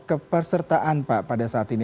kepersertaan pak pada saat ini